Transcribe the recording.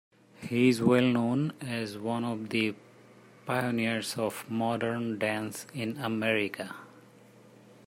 He is well known as one of the pioneers of Modern Dance in America.